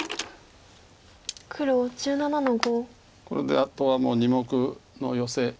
これであとはもう２目のヨセ。